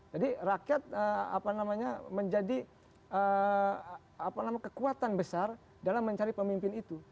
jadi rakyat menjadi kekuatan besar dalam mencari pemimpin itu